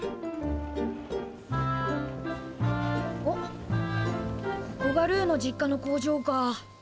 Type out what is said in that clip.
おっここがルーの実家の工場か。